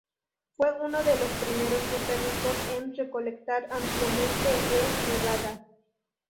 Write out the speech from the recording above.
Fue uno de los primeros botánicos en recolectar ampliamente en Nevada.